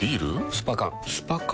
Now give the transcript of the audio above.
スパ缶スパ缶？